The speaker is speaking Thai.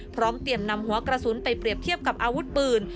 พร้อมเตรียมนำหัวกระสุนไปเปรียบเทียบกับอาวุธปืน